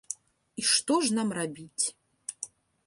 І што ж нам рабіць?